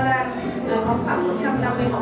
tham gia một thương vụ thể thao